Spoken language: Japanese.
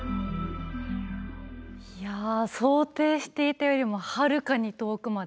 いや想定していたよりもはるかに遠くまで。